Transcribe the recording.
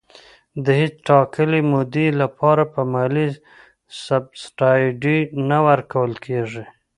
د هیڅ ټاکلي مودې لپاره به مالي سبسایډي نه ورکول کېږي.